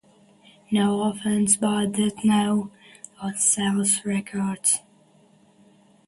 No offense, but that's not what sells records.